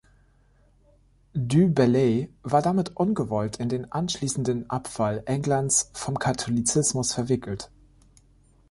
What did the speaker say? Du Bellay war damit ungewollt in den anschließenden Abfall Englands vom Katholizismus verwickelt.